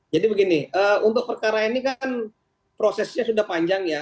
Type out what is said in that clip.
jadi begini untuk perkara ini kan prosesnya sudah panjang ya